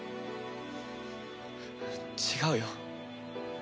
違うよ。